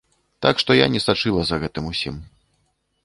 Так што я не сачыла за гэтым усім.